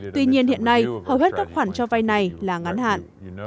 tuy nhiên hiện nay hầu hết các khoản cho vay này là ngắn hạn